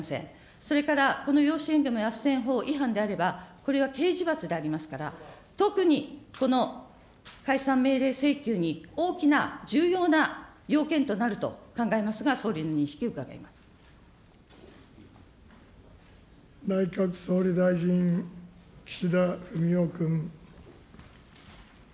それからこの養子縁組みあっせん法違反であれば、これは刑事罰でありますから、特にこの解散命令請求に大きな重要な要件となると考えますが、総内閣総理大臣、岸田文雄君。